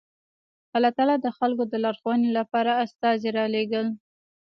الله تعالی د خلکو د لارښوونې لپاره استازي رالېږل